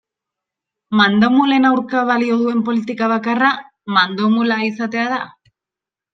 Mandomulen aurka balio duen politika bakarra mandomula izatea da?